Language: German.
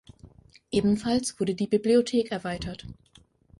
Ebenfalls wurde die Bibliothek erweitert.